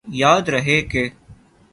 یاد رہے کہ